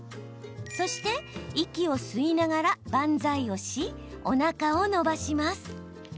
そして、息を吸いながらバンザイをしおなかを伸ばします。